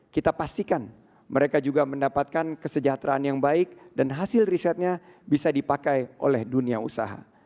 kita pastikan mereka juga mendapatkan kesejahteraan yang baik dan hasil risetnya bisa dipakai oleh dunia usaha